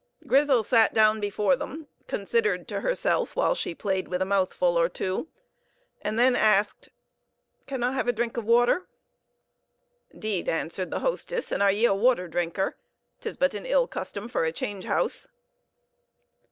Grizel sat down before them, considered to herself while she played with a mouthful or two, and then asked "Can I have a drink of water?" "'Deed," answered the hostess, "and are ye a water drinker? 'Tis but an ill custom for a change house."